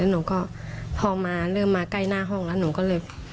หนูก็พอมาเริ่มมาใกล้หน้าห้องแล้วหนูก็เลย